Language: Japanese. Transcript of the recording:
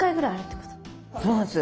そうなんです。